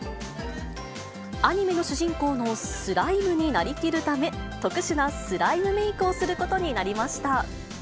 アニメの主人公のスライムになりきるため、特殊なスライムメークをすることになりました。